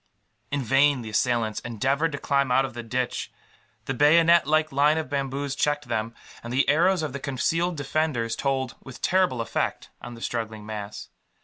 In vain the assailants endeavoured to climb out of the ditch. The bayonet like line of bamboos checked them; and the arrows of the concealed defenders told, with terrible effect, on the struggling mass.